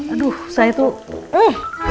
aduh saya tuh